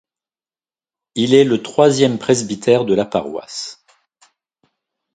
Il est le troisième presbytère de la paroisse.